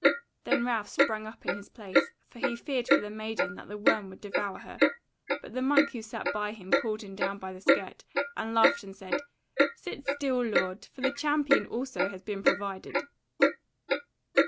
Then Ralph sprang up in his place, for he feared for the maiden that the worm would devour her: but the monk who sat by him pulled him down by the skirt, and laughed and said: "Sit still, lord! for the champion also has been provided."